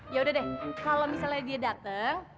ya udah deh kalau misalnya dia dateng